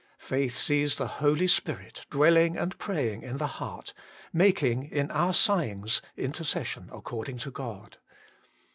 Faith sees the Holy Spirit dwelling and praying in the heart, making, in our sighings, intercession according to God.